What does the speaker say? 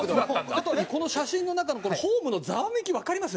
あとこの写真の中のこのホームのざわめきわかります？